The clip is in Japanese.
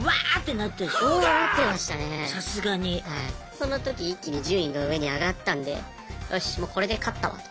その時一気に順位が上に上がったんでよしもうこれで勝ったわと。